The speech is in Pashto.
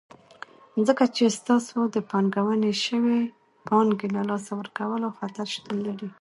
ځکه چې ستاسو د پانګونې شوي پانګې له لاسه ورکولو خطر شتون لري.